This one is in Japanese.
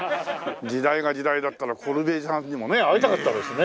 時代が時代だったらコルビュジエさんにもね会いたかったですね。